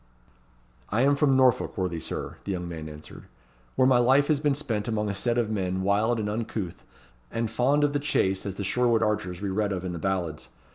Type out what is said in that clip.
"I am from Norfolk, worthy Sir," the young man answered, "where my life has been spent among a set of men wild and uncouth, and fond of the chase as the Sherwood archers we read of in the ballads.